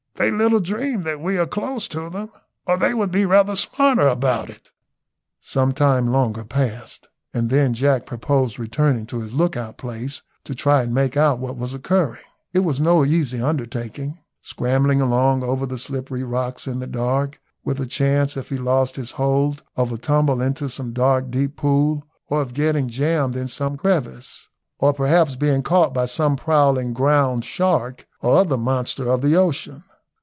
They little dream that we are close to them, or they would be rather smarter about it." Some time longer passed, and then Jack proposed returning to his lookout place, to try and make out what was occurring. It was no easy undertaking, scrambling along over the slippery rocks in the dark, with a chance, if he lost his hold, of a tumble into some dark deep pool, or of getting jammed in some crevice, or perhaps being caught by some prowling ground shark or other monster of the ocean.